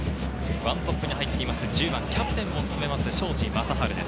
１トップに入っている１０番・キャプテンを務める庄司壮晴です。